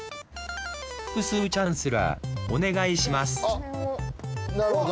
複数チャンスラーお願いしますなるほど！